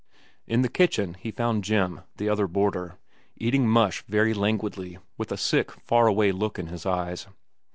In the kitchen he found Jim, the other boarder, eating mush very languidly, with a sick, far away look in his eyes.